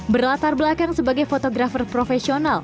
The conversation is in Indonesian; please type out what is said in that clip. berlatar belakang sebagai fotografer profesional